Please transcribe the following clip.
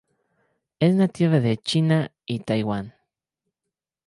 Es nativa de China y Taiwán.